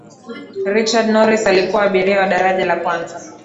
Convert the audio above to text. richard norris alikuwa abiria wa daraja la kwanza